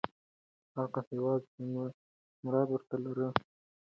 هغه هیواد چې مراد ورته لاړ، ګاونډی و.